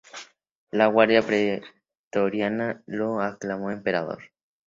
La guardia pretoriana lo aclamó emperador.